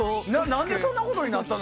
何でそんなことになったの？